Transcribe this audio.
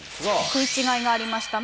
食い違いがありました。